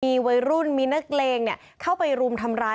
มีวัยรุ่นมีนักเลงเข้าไปรุมทำร้าย